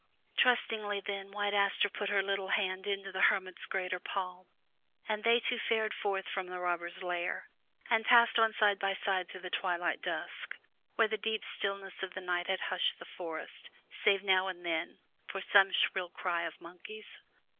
Trustingly, then, White Aster put her little hand within the hermit's greater palm, and they two fared forth from the robbers' lair, and passed on side by side through twilight dusk, where the deep stillness of the night had hushed the forest, save now and then, for some shrill cry of monkeys.